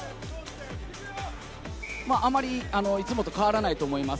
あまりいつもと変わらないと思います。